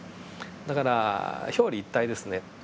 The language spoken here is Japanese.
だから表裏一体ですね。